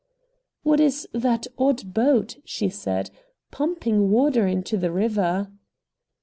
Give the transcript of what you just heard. "What is that odd boat," she said, "pumping water into the river?"